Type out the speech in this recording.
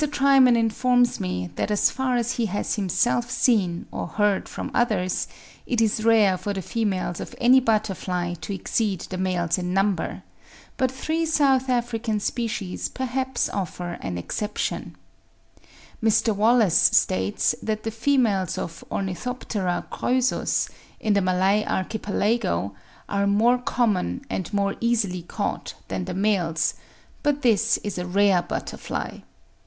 Trimen informs me that as far as he has himself seen, or heard from others, it is rare for the females of any butterfly to exceed the males in number; but three South African species perhaps offer an exception. Mr. Wallace (78. 'Transactions, Linnean Society,' vol. xxv. p. 37.) states that the females of Ornithoptera croesus, in the Malay archipelago, are more common and more easily caught than the males; but this is a rare butterfly.